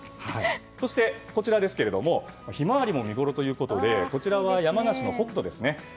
そして、こちらですがヒマワリも見ごろということでこちらは山梨の北杜ですね。